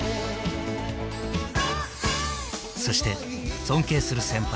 そして尊敬する先輩